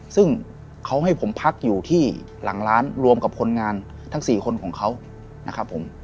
ซึ่งเขาให้ผมพักอยู่ที่หลังร้านรวมกับคนงานทั้ง๔คนของเขานะครับผม